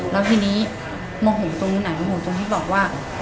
แล้วทีนี้มองห่วงตรงไหนมองห่วงตรงที่บอกว่า